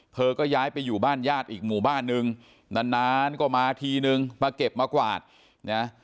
ก็ย้ายไปอยู่บ้านญาติอีกหมู่บ้านนึงนานนานก็มาทีนึงมาเก็บมากวาดนะ